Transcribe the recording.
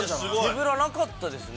手ぶらなかったですね。